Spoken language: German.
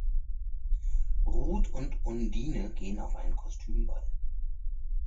Ruth und Undine gehen auf einen Kostümball.